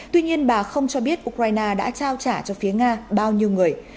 tuy nhiên bà không cho biết ukraine đã trao trả cho phía nga bao nhiêu người